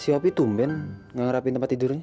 si wopi tumpen nggak ngerapin tempat tidurnya